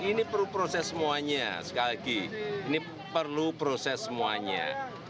ini perlu proses semuanya sekali lagi ini perlu proses semuanya